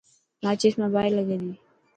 ماچس مان باهه لگي تي.